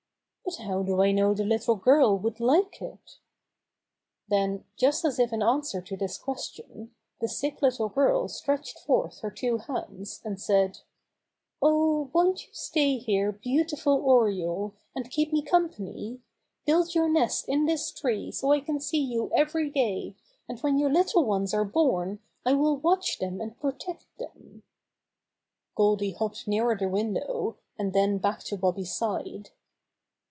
"But how do I know the little girl would like it?" Then, just as if in answer to this question, the sick little girl stretched forth her two hands, and said : "Oh, won't you stay here, beautiful Oriole, and keep me company? Build your nest in this tree so I can see you every day, and when your little ones are born I will watch them and protect them." Goldy hopped nearer the window, and then back to Bobby's side.